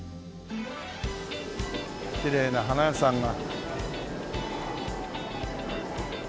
きれいな花屋さんが。